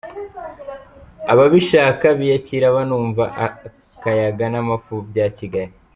Ababishaka, biyakira banumva akayaga n'amafu bya Kigali.